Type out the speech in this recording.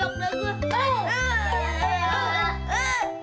bawa buka buka